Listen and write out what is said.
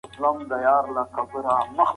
قاطع مشوره دي ورسره وکړي.